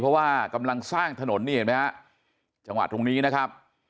เพราะว่ากำลังสร้างถนนนี่เห็นไหมฮะจังหวะตรงนี้นะครับ